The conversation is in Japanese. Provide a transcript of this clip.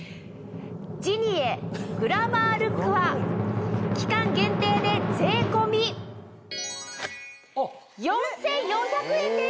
ジニエグラマールックは期間限定で税込み４４００円です！